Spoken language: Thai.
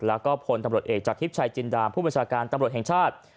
แล้วก็พลตำรวจเอกจากทิพย์ชายจินดาผู้บัญชาการตำรวจแห่งชาติ